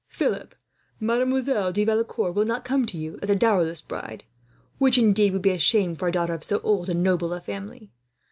"Philip, Mademoiselle de Valecourt will not come to you as a dowerless bride, which indeed would be a shame for a daughter of so old and noble a family.